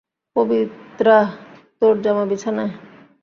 পবিত্রা, তোর জামা বিছানায়।